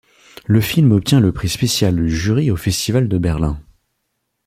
Le film obtient le prix spécial du jury au Festival de Berlin.